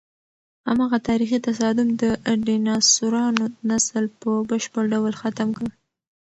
هماغه تاریخي تصادم د ډیناسورانو نسل په بشپړ ډول ختم کړ.